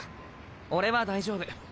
俺は大丈夫。